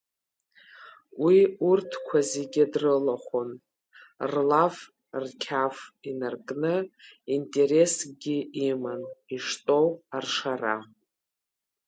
Уи урҭқәа зегьы дрылахәын, рлаф-рқьаф инаркны, интерессгьы иман иштәоу аршара.